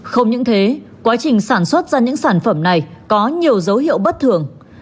không những thế quá trình sản xuất ra những sản phẩm này có nhiều dấu hiệu bất thường